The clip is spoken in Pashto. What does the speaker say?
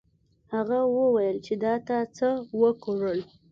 هغه وویل چې دا تا څه وکړل.